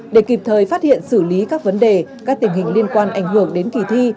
để kịp thời phát hiện xử lý các vấn đề các tình hình liên quan ảnh hưởng đến kỳ thi